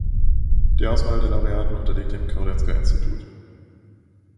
Die Auswahl der Laureaten unterliegt dem Karolinska-Institut.